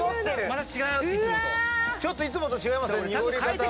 ちょっといつもと違いますね。